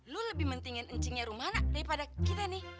lo lebih mentingin encingnya rumah anak daripada kita nih